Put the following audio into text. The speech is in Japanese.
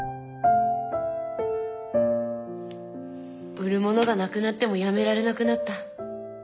売る物がなくなってもやめられなくなった。